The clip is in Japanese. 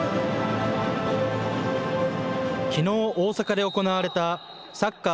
きのう大阪で行われたサッカー